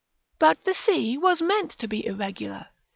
§ IV. But the sea was meant to be irregular!